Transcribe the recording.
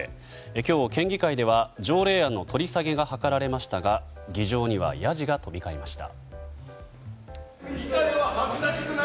今日、県議会では条例案の取り下げが諮られましたが議場にはやじが飛び交いました。